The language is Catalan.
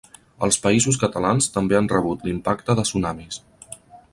Els Països Catalans també han rebut l'impacte de tsunamis.